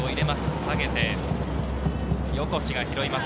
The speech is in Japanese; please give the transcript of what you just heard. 下げて、横地が拾います。